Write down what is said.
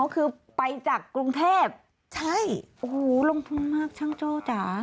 คือไปจากกรุงเทพใช่โอ้โหลงทุนมากช่างโจ้จ๋า